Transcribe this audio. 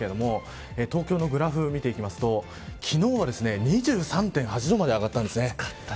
東京のグラフ、見ていきますと昨日は２３．８度まで上がったんですね。